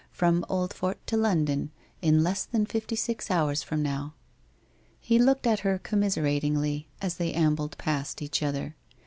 ' From Oldfort to London, in less than fifty six hours from now.' He looked at her commiseratingly as they ambled past each other.